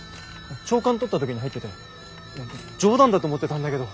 朝刊取った時に入ってて冗談だと思ってたんだけど。